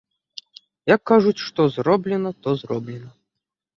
Як кажуць, што зроблена, то зроблена.